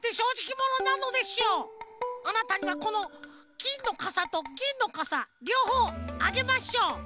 あなたにはこのきんのかさとぎんのかさりょうほうあげましょう！